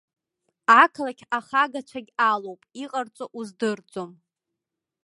Ақалақь ахагацәагьы алоуп, иҟарҵо уздырӡом.